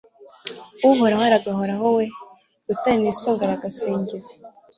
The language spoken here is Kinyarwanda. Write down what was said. Uhoraho arakabaho We Rutare nisunga aragasingizwa